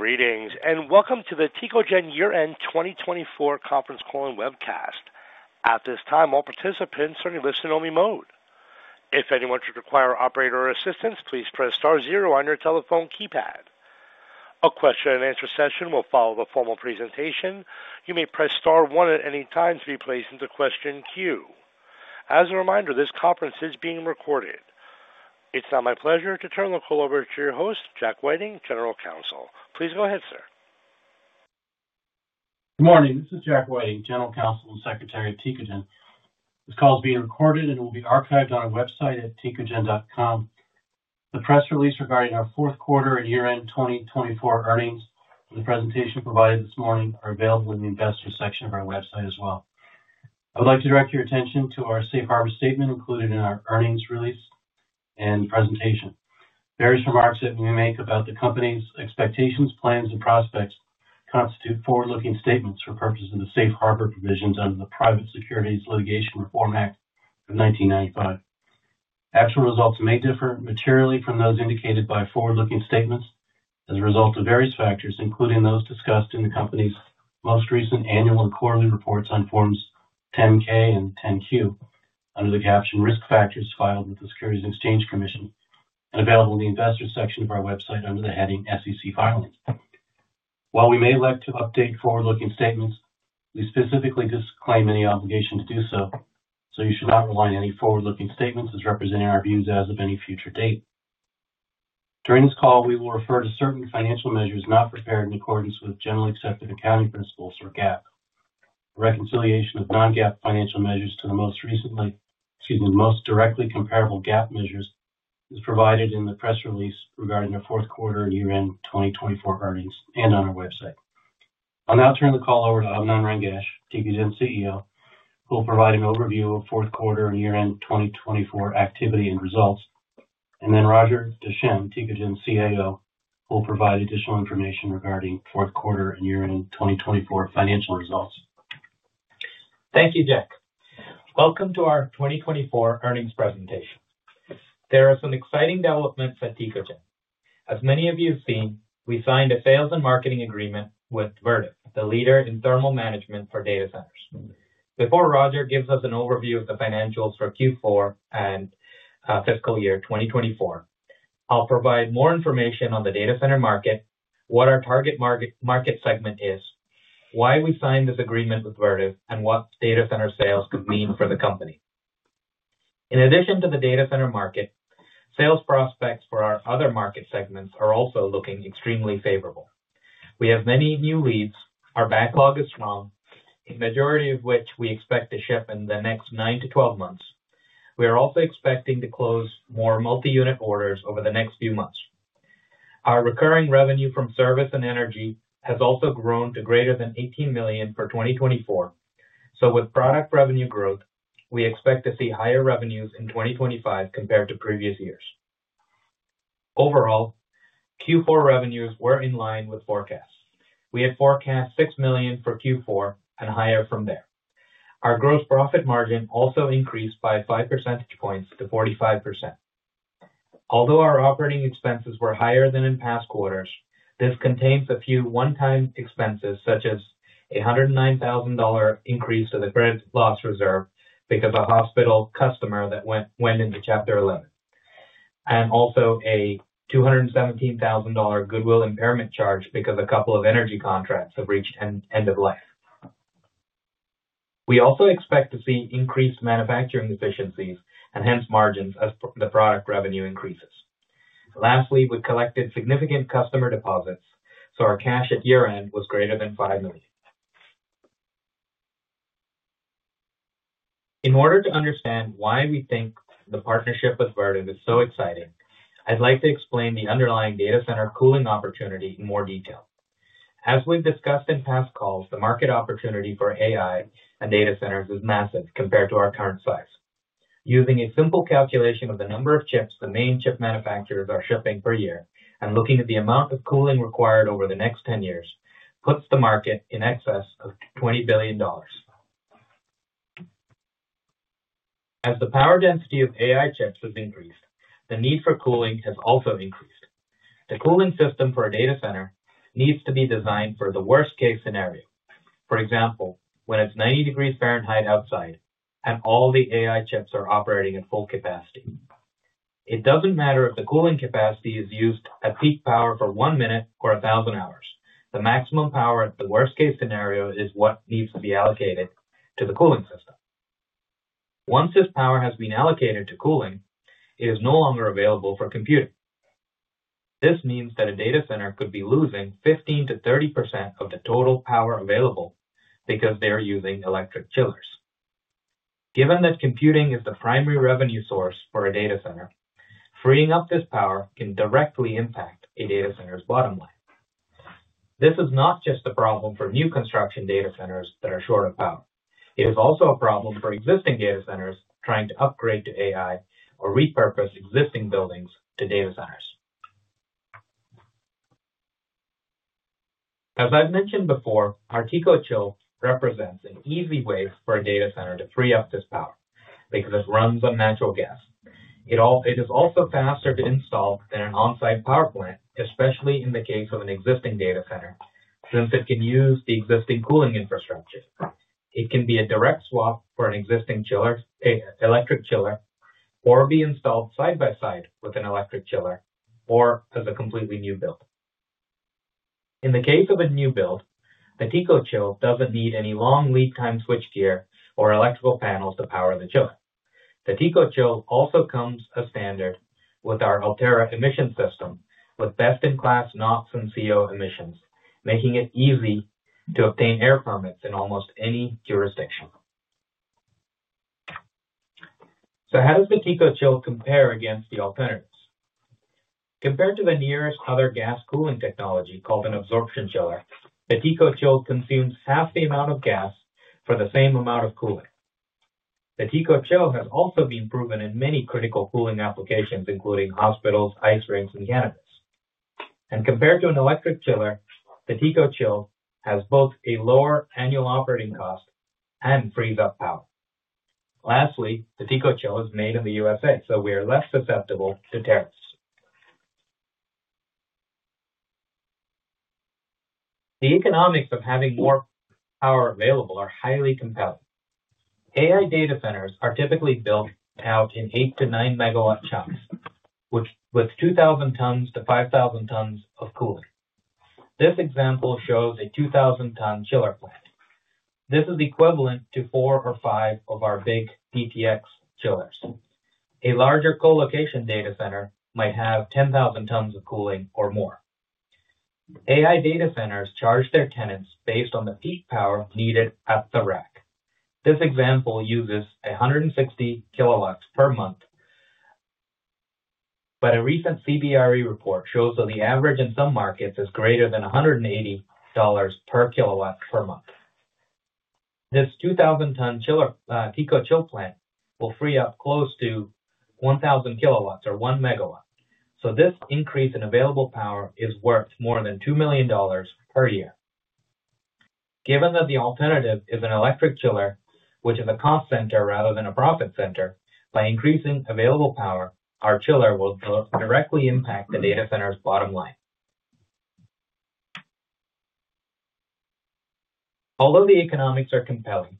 Greetings, and welcome to the Tecogen Year-End 2024 Conference Call and Webcast. At this time, all participants are in listen-only mode. If anyone should require operator assistance, please press star zero on your telephone keypad. A question-and-answer session will follow the formal presentation. You may press star one at any time to be placed into question queue. As a reminder, this conference is being recorded. It's now my pleasure to turn the call over to your host, Jack Whiting, General Counsel. Please go ahead, sir. Good morning. This is Jack Whiting, General Counsel and Secretary of Tecogen. This call is being recorded and will be archived on our website at tecogen.com. The press release regarding our fourth quarter and year-end 2024 earnings and the presentation provided this morning are available in the investor section of our website as well. I would like to direct your attention to our safe harbor statement included in our earnings release and presentation. Various remarks that we make about the company's expectations, plans, and prospects constitute forward-looking statements for purposes of safe harbor provisions under the Private Securities Litigation Reform Act of 1995. Actual results may differ materially from those indicated by forward-looking statements as a result of various factors, including those discussed in the company's most recent annual and quarterly reports on Forms 10-K and 10-Q under the captioned risk factors filed with the Securities and Exchange Commission and available in the investor section of our website under the heading SEC Filings. While we may elect to update forward-looking statements, we specifically disclaim any obligation to do so, so you should not rely on any forward-looking statements as representing our views as of any future date. During this call, we will refer to certain financial measures not prepared in accordance with generally accepted accounting principles or GAAP. Reconciliation of non-GAAP financial measures to the most recently, excuse me, most directly comparable GAAP measures is provided in the press release regarding our fourth quarter and year-end 2024 earnings and on our website. I'll now turn the call over to Abinand Rangesh, Tecogen CEO, who will provide an overview of fourth quarter and year-end 2024 activity and results, and then Roger Deschenes, Tecogen CFO, who will provide additional information regarding fourth quarter and year-end 2024 financial results. Thank you, Jack. Welcome to our 2024 earnings presentation. There are some exciting developments at Tecogen. As many of you have seen, we signed a sales and marketing agreement with Vertiv, the leader in thermal management for data centers. Before Roger gives us an overview of the financials for Q4 and fiscal year 2024, I'll provide more information on the data center market, what our target market segment is, why we signed this agreement with Vertiv, and what data center sales could mean for the company. In addition to the data center market, sales prospects for our other market segments are also looking extremely favorable. We have many new leads. Our backlog is strong, a majority of which we expect to ship in the next 9-12 months. We are also expecting to close more multi-unit orders over the next few months. Our recurring revenue from service and energy has also grown to greater than $18 million for 2024, so with product revenue growth, we expect to see higher revenues in 2025 compared to previous years. Overall, Q4 revenues were in line with forecasts. We had forecast $6 million for Q4 and higher from there. Our gross profit margin also increased by 5 percentage points to 45%. Although our operating expenses were higher than in past quarters, this contains a few one-time expenses such as a $109,000 increase to the credit loss reserve because of a hospital customer that went into Chapter 11, and also a $217,000 goodwill impairment charge because a couple of energy contracts have reached end of life. We also expect to see increased manufacturing efficiencies and hence margins as the product revenue increases. Lastly, we collected significant customer deposits, so our cash at year-end was greater than $5 million. In order to understand why we think the partnership with Vertiv is so exciting, I'd like to explain the underlying data center cooling opportunity in more detail. As we've discussed in past calls, the market opportunity for AI and data centers is massive compared to our current size. Using a simple calculation of the number of chips the main chip manufacturers are shipping per year and looking at the amount of cooling required over the next 10 years puts the market in excess of $20 billion. As the power density of AI chips has increased, the need for cooling has also increased. The cooling system for a data center needs to be designed for the worst-case scenario, for example, when it's 90 degrees Fahrenheit outside and all the AI chips are operating at full capacity. It doesn't matter if the cooling capacity is used at peak power for one minute or 1,000 hours. The maximum power at the worst-case scenario is what needs to be allocated to the cooling system. Once this power has been allocated to cooling, it is no longer available for computing. This means that a data center could be losing 15-30% of the total power available because they are using electric chillers. Given that computing is the primary revenue source for a data center, freeing up this power can directly impact a data center's bottom line. This is not just a problem for new construction data centers that are short of power. It is also a problem for existing data centers trying to upgrade to AI or repurpose existing buildings to data centers. As I've mentioned before, our TECOCHILL represents an easy way for a data center to free up this power because it runs on natural gas. It is also faster to install than an on-site power plant, especially in the case of an existing data center, since it can use the existing cooling infrastructure. It can be a direct swap for an existing electric chiller or be installed side by side with an electric chiller or as a completely new build. In the case of a new build, the TECOCHILL doesn't need any long lead-time switchgear or electrical panels to power the chiller. The TECOCHILL also comes as standard with our Ultera emission system with best-in-class NOx and CO emissions, making it easy to obtain air permits in almost any jurisdiction. How does the TECOCHILL compare against the alternatives? Compared to the nearest other gas cooling technology called an absorption chiller, the TECOCHILL consumes half the amount of gas for the same amount of cooling. The TECOCHILL has also been proven in many critical cooling applications, including hospitals, ice rinks, and cannabis. Compared to an electric chiller, the TECOCHILL has both a lower annual operating cost and frees up power. Lastly, the TECOCHILL is made in the U.S., so we are less susceptible to tariffs. The economics of having more power available are highly compelling. AI data centers are typically built out in 8-9 megawatt chunks, which with 2,000 tons to 5,000 tons of cooling. This example shows a 2,000-ton chiller plant. This is equivalent to four or five of our big DTX chillers. A larger colocation data center might have 10,000 tons of cooling or more. AI data centers charge their tenants based on the peak power needed at the rack. This example uses 160 kilowatts per month, but a recent CBRE report shows that the average in some markets is greater than $180 per kilowatt per month. This 2,000-ton TECOCHILL plant will free up close to 1,000 kilowatts or 1 megawatt, so this increase in available power is worth more than $2 million per year. Given that the alternative is an electric chiller, which is a cost center rather than a profit center, by increasing available power, our chiller will directly impact the data center's bottom line. Although the economics are compelling,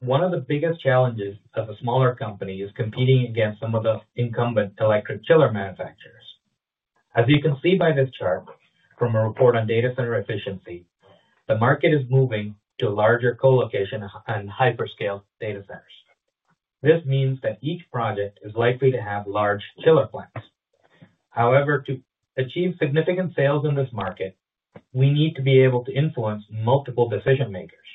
one of the biggest challenges as a smaller company is competing against some of the incumbent electric chiller manufacturers. As you can see by this chart from a report on data center efficiency, the market is moving to larger colocation and hyperscale data centers. This means that each project is likely to have large chiller plants. However, to achieve significant sales in this market, we need to be able to influence multiple decision-makers: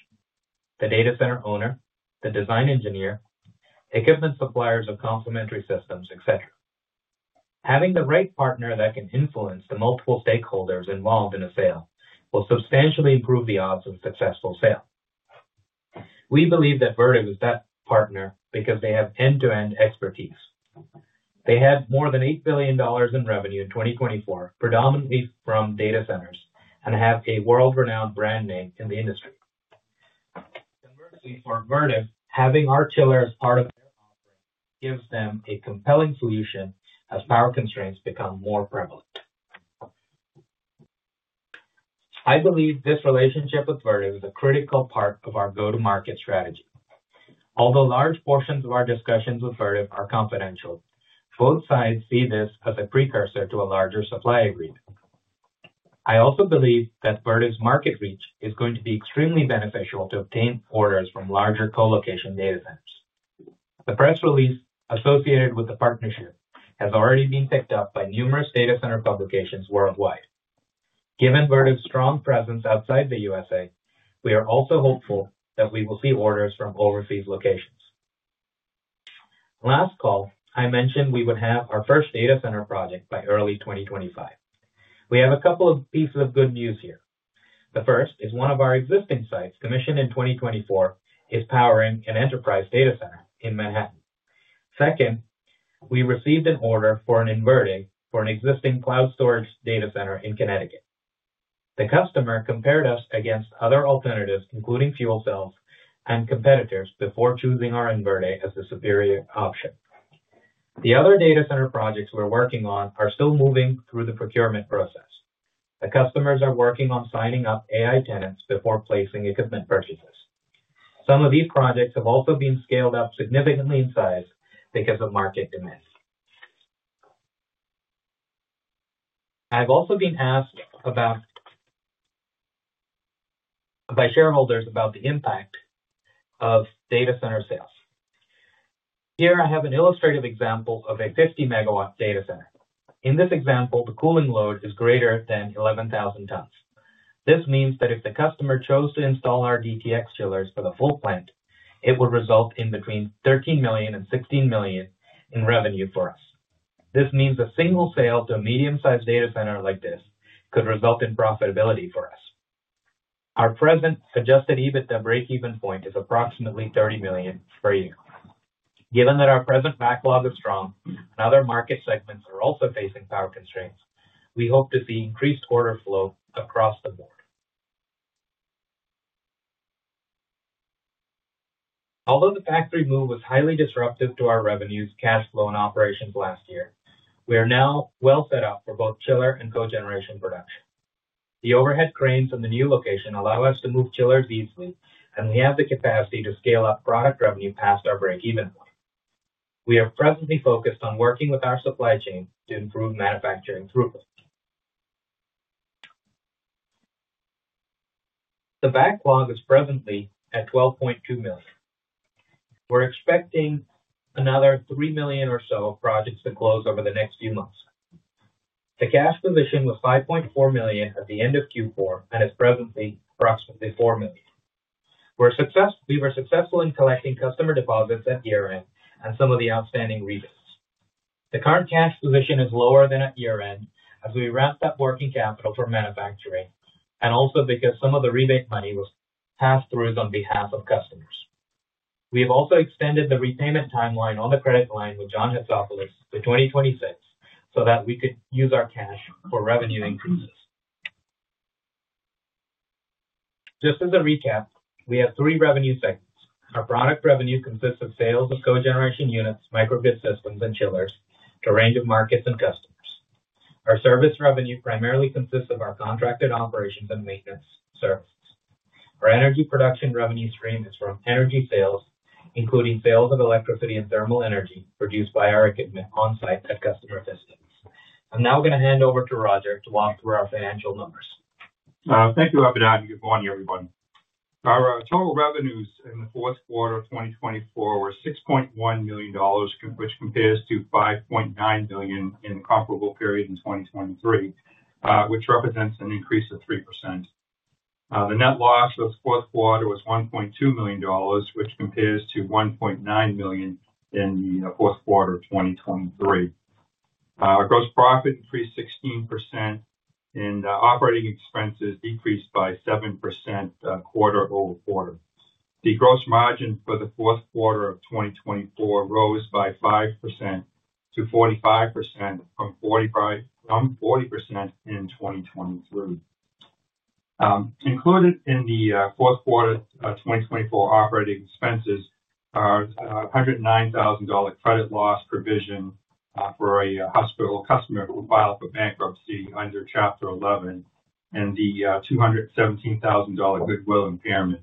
the data center owner, the design engineer, equipment suppliers of complementary systems, etc. Having the right partner that can influence the multiple stakeholders involved in a sale will substantially improve the odds of a successful sale. We believe that Vertiv is that partner because they have end-to-end expertise. They had more than $8 billion in revenue in 2024, predominantly from data centers, and have a world-renowned brand name in the industry. Conversely, for Vertiv, having our chiller as part of their offering gives them a compelling solution as power constraints become more prevalent. I believe this relationship with Vertiv is a critical part of our go-to-market strategy. Although large portions of our discussions with Vertiv are confidential, both sides see this as a precursor to a larger supply agreement. I also believe that Vertiv's market reach is going to be extremely beneficial to obtain orders from larger colocation data centers. The press release associated with the partnership has already been picked up by numerous data center publications worldwide. Given Vertiv's strong presence outside the U.S.A., we are also hopeful that we will see orders from overseas locations. Last call, I mentioned we would have our first data center project by early 2025. We have a couple of pieces of good news here. The first is one of our existing sites commissioned in 2024 is powering an enterprise data center in Manhattan. Second, we received an order for an InVerde for an existing cloud storage data center in Connecticut. The customer compared us against other alternatives, including fuel cells and competitors, before choosing our InVerde as the superior option. The other data center projects we're working on are still moving through the procurement process. The customers are working on signing up AI tenants before placing equipment purchases. Some of these projects have also been scaled up significantly in size because of market demand. I've also been asked by shareholders about the impact of data center sales. Here, I have an illustrative example of a 50-megawatt data center. In this example, the cooling load is greater than 11,000 tons. This means that if the customer chose to install our DTX chillers for the full plant, it would result in between $13 million and $16 million in revenue for us. This means a single sale to a medium-sized data center like this could result in profitability for us. Our present adjusted EBITDA break-even point is approximately $30 million per year. Given that our present backlog is strong and other market segments are also facing power constraints, we hope to see increased order flow across the board. Although the factory move was highly disruptive to our revenues, cash flow, and operations last year, we are now well set up for both chiller and cogeneration production. The overhead cranes in the new location allow us to move chillers easily, and we have the capacity to scale up product revenue past our break-even point. We are presently focused on working with our supply chain to improve manufacturing throughput. The backlog is presently at $12.2 million. We're expecting another $3 million or so projects to close over the next few months. The cash position was $5.4 million at the end of Q4 and is presently approximately $4 million. We were successful in collecting customer deposits at year-end and some of the outstanding rebates. The current cash position is lower than at year-end as we ramped up working capital for manufacturing and also because some of the rebate money was passed through on behalf of customers. We have also extended the repayment timeline on the credit line with John Hatsopoulos to 2026 so that we could use our cash for revenue increases. Just as a recap, we have three revenue segments. Our product revenue consists of sales of cogeneration units, microgrid systems, and chillers to a range of markets and customers. Our service revenue primarily consists of our contracted operations and maintenance services. Our energy production revenue stream is from energy sales, including sales of electricity and thermal energy produced by our equipment on-site at customer facilities. I'm now going to hand over to Roger to walk through our financial numbers. Thank you, Abinand. Good morning, everyone. Our total revenues in the fourth quarter of 2024 were $6.1 million, which compares to $5.9 million in the comparable period in 2023, which represents an increase of 3%. The net loss for the fourth quarter was $1.2 million, which compares to $1.9 million in the fourth quarter of 2023. Our gross profit increased 16%, and operating expenses decreased by 7% quarter over quarter. The gross margin for the fourth quarter of 2024 rose by 5% to 45% from 40% in 2023. Included in the fourth quarter of 2024 operating expenses are a $109,000 credit loss provision for a hospital customer who filed for bankruptcy under Chapter 11 and the $217,000 goodwill impairment.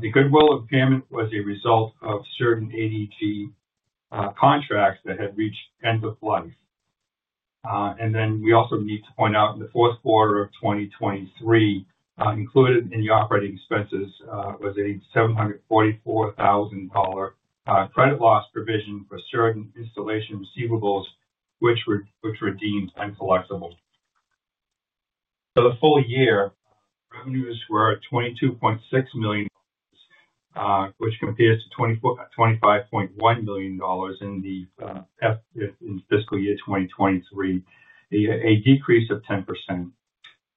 The goodwill impairment was a result of certain ADG contracts that had reached end of life. We also need to point out in the fourth quarter of 2023, included in the operating expenses was a $744,000 credit loss provision for certain installation receivables, which were deemed uncollectable. For the full year, revenues were $22.6 million, which compares to $25.1 million in the fiscal year 2023, a decrease of 10%.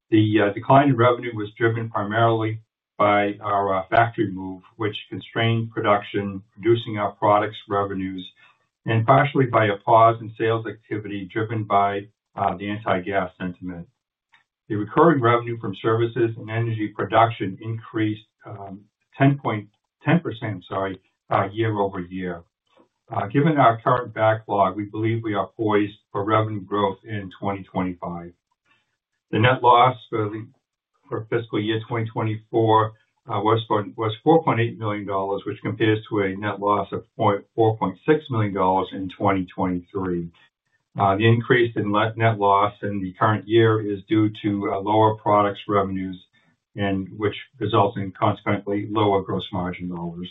The decline in revenue was driven primarily by our factory move, which constrained production, reducing our products' revenues, and partially by a pause in sales activity driven by the anti-gas sentiment. The recurring revenue from services and energy production increased 10% year over year. Given our current backlog, we believe we are poised for revenue growth in 2025. The net loss for fiscal year 2024 was $4.8 million, which compares to a net loss of $4.6 million in 2023. The increase in net loss in the current year is due to lower products' revenues, which result in consequently lower gross margin dollars.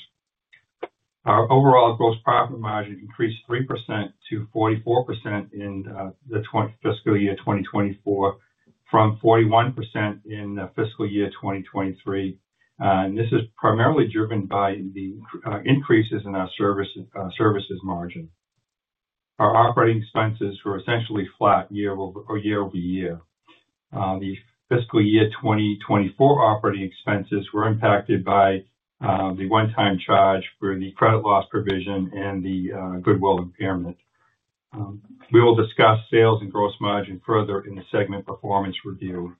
Our overall gross profit margin increased 3% to 44% in the fiscal year 2024 from 41% in the fiscal year 2023. This is primarily driven by the increases in our services margin. Our operating expenses were essentially flat year over year. The fiscal year 2024 operating expenses were impacted by the one-time charge for the credit loss provision and the goodwill impairment. We will discuss sales and gross margin further in the segment performance review.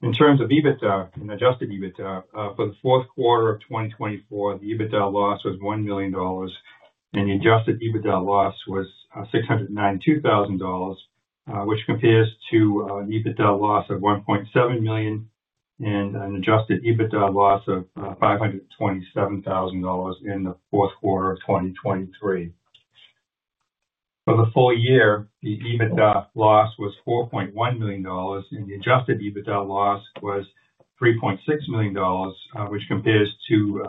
In terms of EBITDA and adjusted EBITDA, for the fourth quarter of 2024, the EBITDA loss was $1 million, and the adjusted EBITDA loss was $692,000, which compares to an EBITDA loss of $1.7 million and an adjusted EBITDA loss of $527,000 in the fourth quarter of 2023. For the full year, the EBITDA loss was $4.1 million, and the adjusted EBITDA loss was $3.6 million, which compares to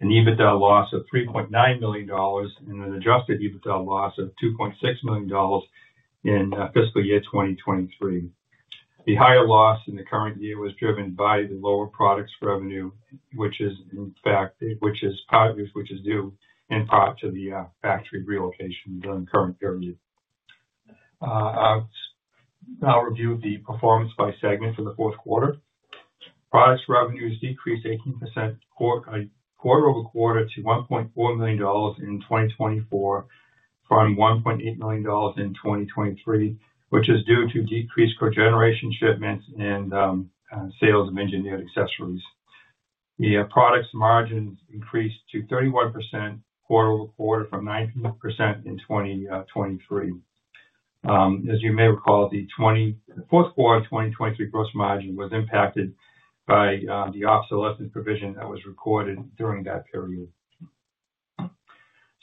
an EBITDA loss of $3.9 million and an adjusted EBITDA loss of $2.6 million in fiscal year 2023. The higher loss in the current year was driven by the lower products' revenue, which is, in fact, due in part to the factory relocation during the current period. I'll review the performance by segment for the fourth quarter. Products' revenues decreased 18% quarter over quarter to $1.4 million in 2024 from $1.8 million in 2023, which is due to decreased cogeneration shipments and sales of engineered accessories. The products' margins increased to 31% quarter over quarter from 19% in 2023. As you may recall, the fourth quarter of 2023 gross margin was impacted by the obsolescence provision that was recorded during that period.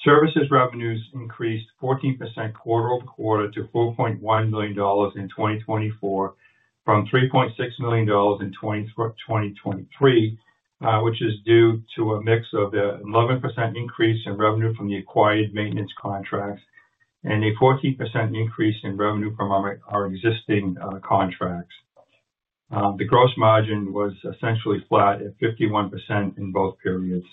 Services revenues increased 14% quarter over quarter to $4.1 million in 2024 from $3.6 million in 2023, which is due to a mix of an 11% increase in revenue from the acquired maintenance contracts and a 14% increase in revenue from our existing contracts. The gross margin was essentially flat at 51% in both periods.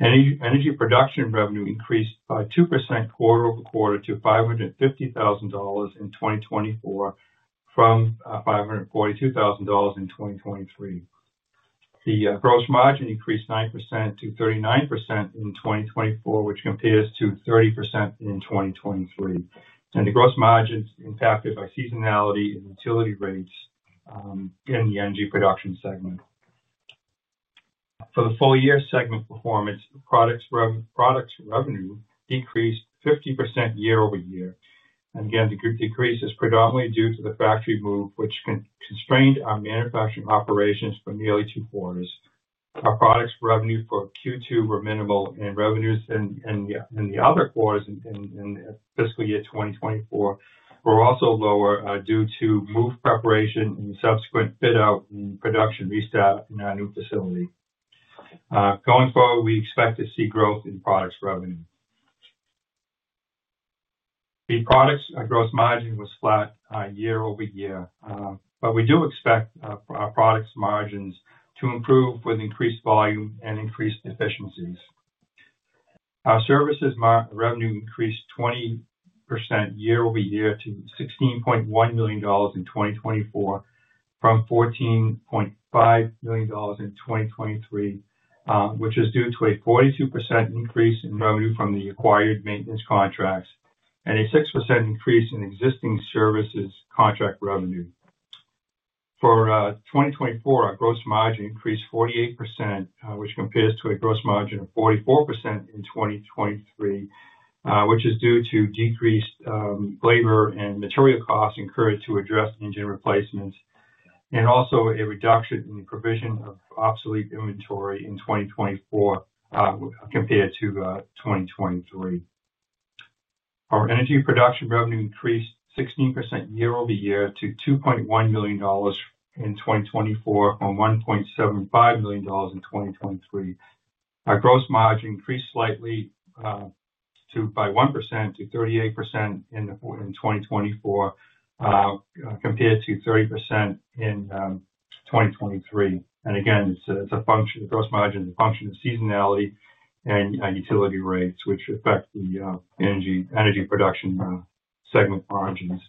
Energy production revenue increased by 2% quarter over quarter to $550,000 in 2024 from $542,000 in 2023. The gross margin increased 9% to 39% in 2024, which compares to 30% in 2023. The gross margin is impacted by seasonality and utility rates in the energy production segment. For the full year segment performance, products' revenue decreased 50% year over year. The decrease is predominantly due to the factory move, which constrained our manufacturing operations for nearly two quarters. Our products' revenue for Q2 were minimal, and revenues in the other quarters in fiscal year 2024 were also lower due to move preparation and subsequent bid-out and production restart in our new facility. Going forward, we expect to see growth in products' revenue. The products' gross margin was flat year over year, but we do expect our products' margins to improve with increased volume and increased efficiencies. Our services revenue increased 20% year over year to $16.1 million in 2024 from $14.5 million in 2023, which is due to a 42% increase in revenue from the acquired maintenance contracts and a 6% increase in existing services contract revenue. For 2024, our gross margin increased 48%, which compares to a gross margin of 44% in 2023, which is due to decreased labor and material costs incurred to address engine replacements, and also a reduction in the provision of obsolete inventory in 2024 compared to 2023. Our energy production revenue increased 16% year over year to $2.1 million in 2024 from $1.75 million in 2023. Our gross margin increased slightly by 1% to 38% in 2024 compared to 30% in 2023. It's a function of gross margin, a function of seasonality and utility rates, which affect the energy production segment margins.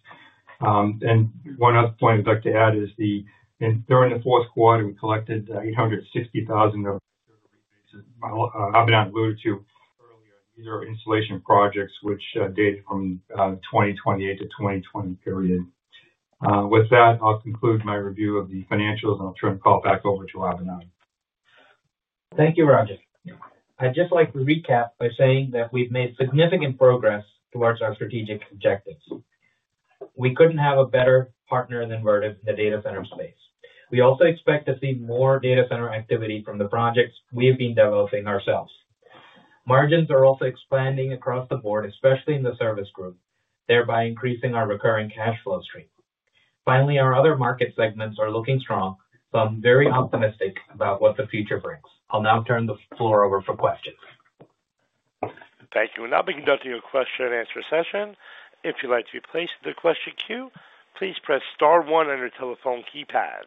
One other point I'd like to add is that during the fourth quarter, we collected $860,000. Abinand alluded to earlier, these are installation projects which dated from the 2018 to 2020 period. With that, I'll conclude my review of the financials, and I'll turn the call back over to Abinand. Thank you, Roger. I'd just like to recap by saying that we've made significant progress towards our strategic objectives. We couldn't have a better partner than Vertiv in the data center space. We also expect to see more data center activity from the projects we have been developing ourselves. Margins are also expanding across the board, especially in the service group, thereby increasing our recurring cash flow stream. Finally, our other market segments are looking strong, so I'm very optimistic about what the future brings. I'll now turn the floor over for questions. Thank you. Now, we can go to your question and answer session. If you'd like to be placed in the question queue, please press star one on your telephone keypad.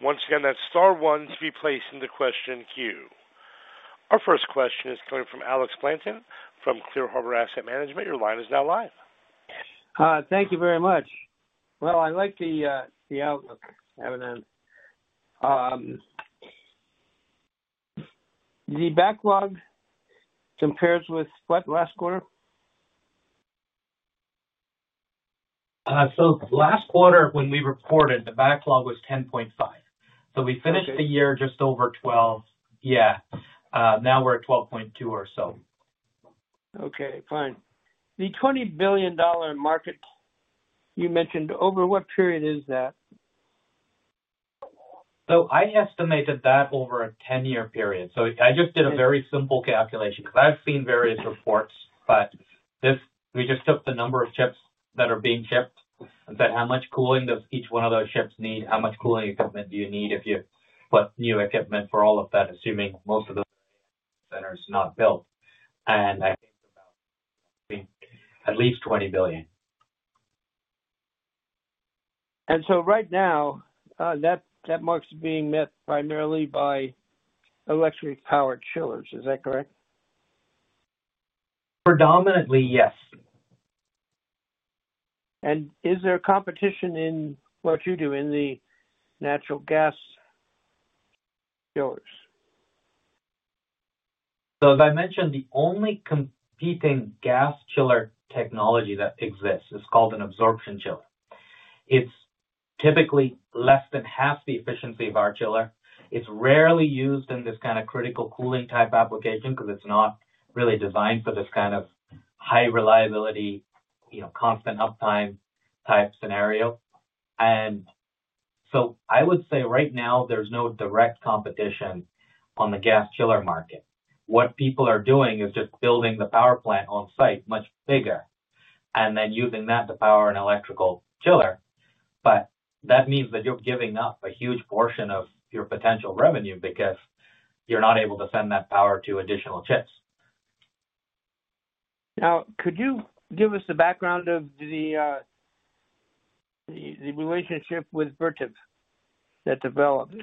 Once again, that's star one to be placed in the question queue. Our first question is coming from Alex Blanton from Clear Harbor Asset Management. Your line is now live. Thank you very much. Well, I like the outlook, Abinand. The backlog compares with what last quarter? Last quarter, when we reported, the backlog was $10.5 million. We finished the year just over $12 million. Yeah. Now we're at $12.2 million or so. Okay. Fine. The $20 billion market, you mentioned over what period is that? I estimated that over a 10-year period. I just did a very simple calculation because I've seen various reports, but we just took the number of ships that are being shipped and said, "How much cooling does each one of those ships need? How much cooling equipment do you need if you put new equipment for all of that, assuming most of the data center is not built?" I think about at least $20 billion. Right now, that market is being met primarily by electric-powered chillers. Is that correct? Predominantly, yes. Is there competition in what you do in the natural gas chillers? As I mentioned, the only competing gas chiller technology that exists is called an absorption chiller. It's typically less than half the efficiency of our chiller. It's rarely used in this kind of critical cooling type application because it's not really designed for this kind of high reliability, constant uptime type scenario. I would say right now, there's no direct competition on the gas chiller market. What people are doing is just building the power plant on-site much bigger and then using that to power an electric chiller. That means that you're giving up a huge portion of your potential revenue because you're not able to send that power to additional chips. Now, could you give us the background of the relationship with Vertiv that developed?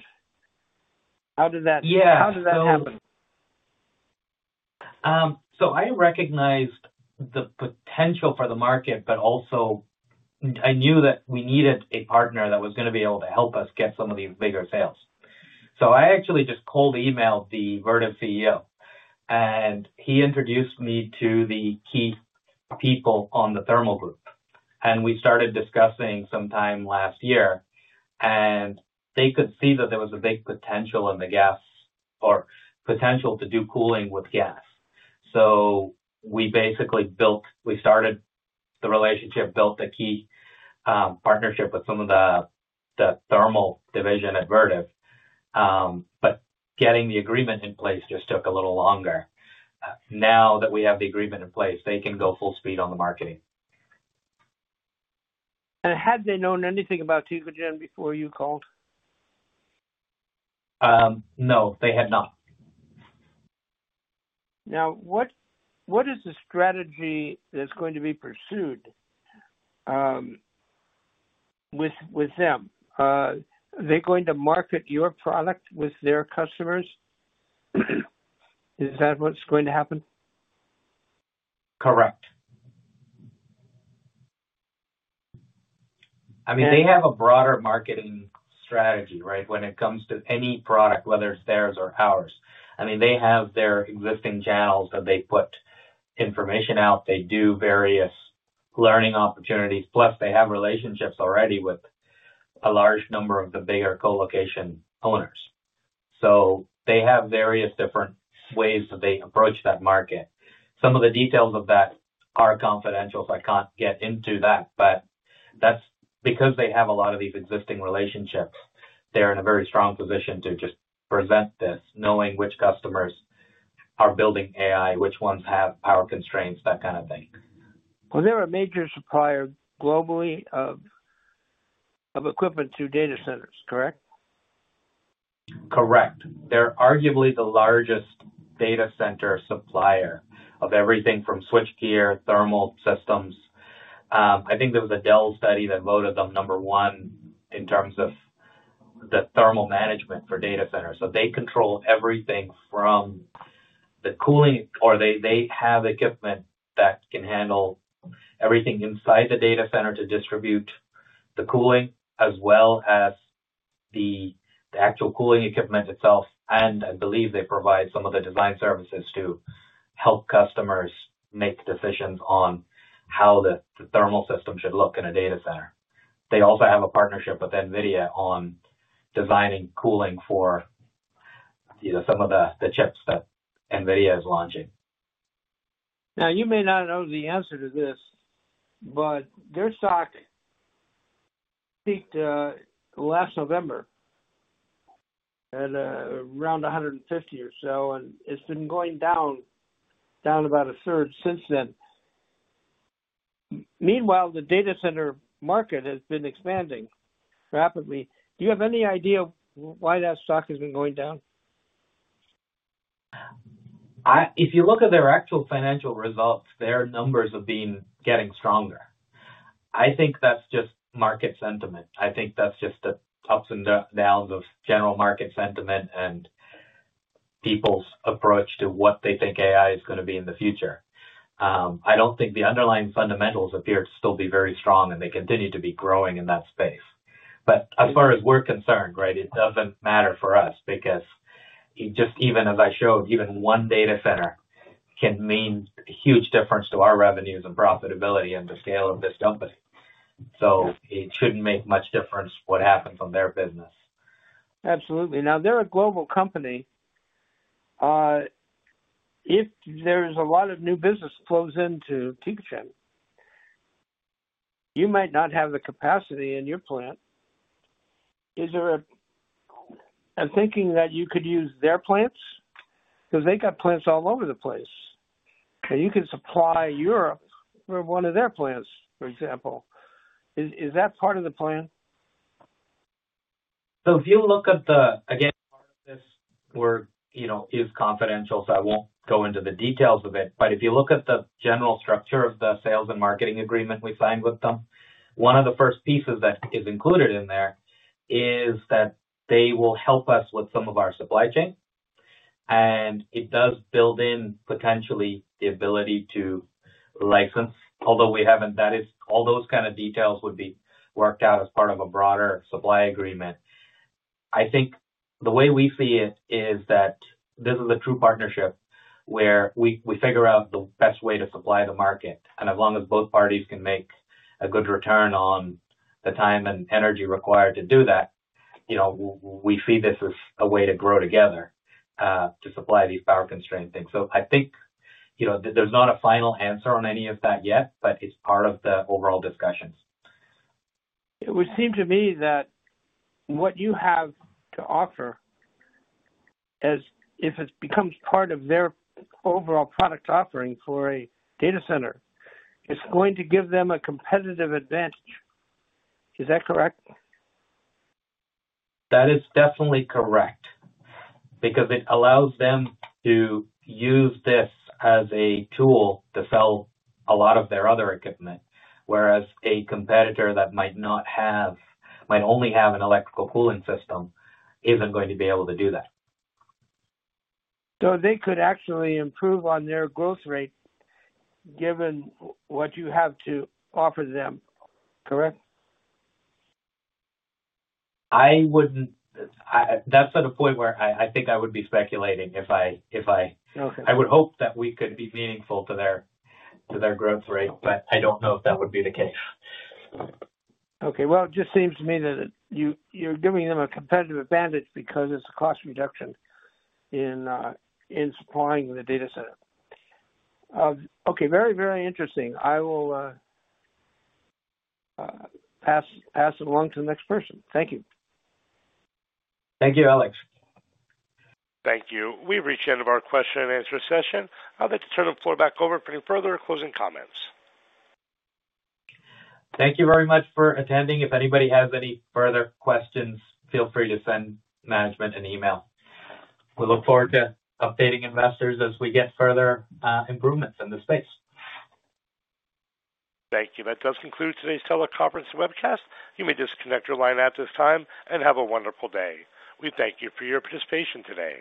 How did that happen? I recognized the potential for the market, but also I knew that we needed a partner that was going to be able to help us get some of these bigger sales. I actually just cold emailed the Vertiv CEO, and he introduced me to the key people on the thermal group. We started discussing sometime last year, and they could see that there was a big potential in the gas or potential to do cooling with gas. We basically built—we started the relationship, built a key partnership with some of the thermal division at Vertiv. Getting the agreement in place just took a little longer. Now that we have the agreement in place, they can go full speed on the marketing. Had they known anything about Tecogen before you called? No, they had not. What is the strategy that's going to be pursued with them? Are they going to market your product with their customers? Is that what's going to happen? Correct. I mean, they have a broader marketing strategy, right, when it comes to any product, whether it's theirs or ours. I mean, they have their existing channels that they put information out. They do various learning opportunities. Plus, they have relationships already with a large number of the bigger colocation owners. They have various different ways that they approach that market. Some of the details of that are confidential, so I can't get into that. Because they have a lot of these existing relationships, they're in a very strong position to just present this, knowing which customers are building AI, which ones have power constraints, that kind of thing. They are a major supplier globally of equipment to data centers, correct? Correct. They are arguably the largest data center supplier of everything from switchgear to thermal systems. I think there was a Dell study that voted them number one in terms of the thermal management for data centers. They control everything from the cooling, or they have equipment that can handle everything inside the data center to distribute the cooling as well as the actual cooling equipment itself. I believe they provide some of the design services to help customers make decisions on how the thermal system should look in a data center. They also have a partnership with NVIDIA on designing cooling for some of the chips that NVIDIA is launching. Now, you may not know the answer to this, but their stock peaked last November at around $150 or so, and it's been going down about a third since then. Meanwhile, the data center market has been expanding rapidly. Do you have any idea why that stock has been going down? If you look at their actual financial results, their numbers have been getting stronger. I think that's just market sentiment. I think that's just the ups and downs of general market sentiment and people's approach to what they think AI is going to be in the future. I don't think the underlying fundamentals appear to still be very strong, and they continue to be growing in that space. As far as we're concerned, right, it doesn't matter for us because just even as I showed, even one data center can mean a huge difference to our revenues and profitability and the scale of this company. It shouldn't make much difference what happens on their business. Absolutely. Now, they're a global company. If there's a lot of new business flows into Tecogen, you might not have the capacity in your plant. Is there a thinking that you could use their plants? Because they've got plants all over the place. You can supply Europe with one of their plants, for example. Is that part of the plan? If you look at the—again, part of this is confidential, so I won't go into the details of it. If you look at the general structure of the sales and marketing agreement we signed with them, one of the first pieces that is included in there is that they will help us with some of our supply chain. It does build in potentially the ability to license, although we haven't—that is, all those kind of details would be worked out as part of a broader supply agreement. I think the way we see it is that this is a true partnership where we figure out the best way to supply the market. As long as both parties can make a good return on the time and energy required to do that, we see this as a way to grow together to supply these power constraint things. I think there is not a final answer on any of that yet, but it is part of the overall discussions. It would seem to me that what you have to offer, if it becomes part of their overall product offering for a data center, is going to give them a competitive advantage. Is that correct? That is definitely correct because it allows them to use this as a tool to sell a lot of their other equipment, whereas a competitor that might only have an electrical cooling system is not going to be able to do that. They could actually improve on their growth rate given what you have to offer them, correct? That is at a point where I think I would be speculating if I—I would hope that we could be meaningful to their growth rate, but I do not know if that would be the case. Okay. It just seems to me that you are giving them a competitive advantage because it is a cost reduction in supplying the data center. Okay. Very, very interesting. I will pass it along to the next person. Thank you. Thank you, Alex. Thank you. We have reached the end of our question and answer session. I'd like to turn the floor back over for any further closing comments. Thank you very much for attending. If anybody has any further questions, feel free to send management an email. We look forward to updating investors as we get further improvements in the space. Thank you. That does conclude today's teleconference and webcast. You may disconnect your line at this time and have a wonderful day. We thank you for your participation today.